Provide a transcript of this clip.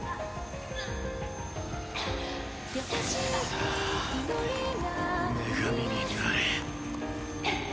さあ女神になれ。